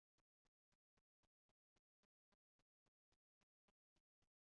Li daŭre laboris ĝis sia morto ankaŭ en Vieno.